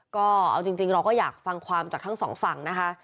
ก็เอาจริงเราก็อยากฟังความจากทั้งสองฝั่งนะคะ